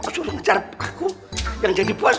kok suruh ngejar aku yang jadi bos